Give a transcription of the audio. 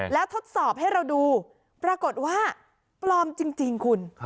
แล้วทดสอบให้เราดูปรากฏว่าปลอมจริงคุณ